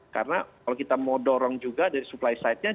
karena kalau kita mau dorong juga supply side nya